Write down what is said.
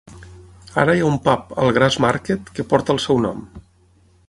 Ara hi ha un pub al Grassmarket que porta el seu nom.